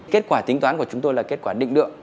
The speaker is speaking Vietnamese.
kết quả tính toán của chúng tôi là kết quả định lượng